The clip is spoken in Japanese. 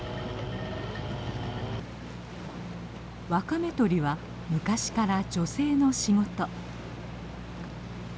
ワカメ採りは昔から女性の仕事。